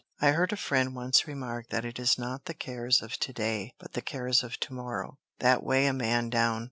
I heard a friend once remark that it is not the cares of to day, but the cares of to morrow, that weigh a man down.